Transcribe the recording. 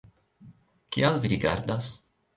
Kial vi rigardas?